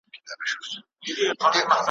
د استاد محمد معصوم هوتک خاطره